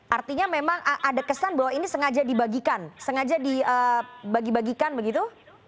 artinya memang ada kesan bahwa ini sengaja dibagikan sengaja dibagi bagikan begitu